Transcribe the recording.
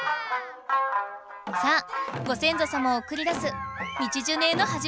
さあご先祖様をおくり出す道ジュネーの始まりだ！